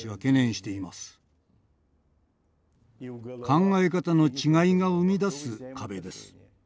考え方の違いが生み出す壁です。